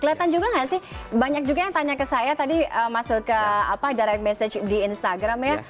kelihatan juga nggak sih banyak juga yang tanya ke saya tadi masuk ke direct message di instagram ya